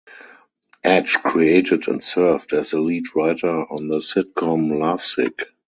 Edge created and served as the lead writer on the sitcom "Lovesick".